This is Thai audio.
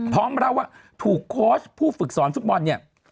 พร้อมเล่าว่าถูกโค้ชผู้ฝึกสอนฟุตบอลเนี่ย